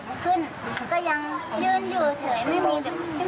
จะมีพิรุธอะไรให้เราจับได้อะไรอย่างเงี้ย